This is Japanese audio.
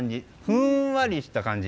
ふんわりした感じ。